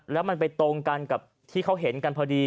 แล้วมันไปตรงกันกับที่เขาเห็นกันพอดี